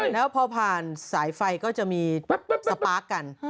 แล้วพอมีเมื่อมาสายไฟก็จะมีสเปราติกัน